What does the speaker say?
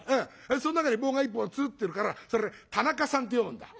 その中に棒が１本つうってあるからそれ田中さんって読むんだ」。